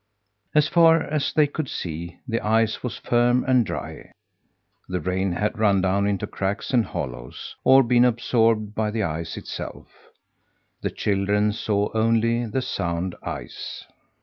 As far as they could see, the ice was firm and dry. The rain had run down into cracks and hollows, or been absorbed by the ice itself. The children saw only the sound ice.